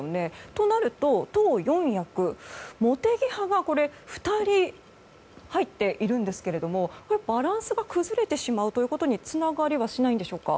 となると、党四役茂木派が２人、入っているんですけどもバランスが崩れてしまうことにつながりはしないんですか？